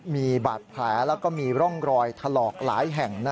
มีบาดแผลแล้วก็มีร่องรอยถลอกหลายแห่ง